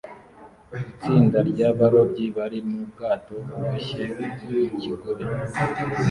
Itsinda ry'abarobyi bari mu bwato buboshye mu kigobe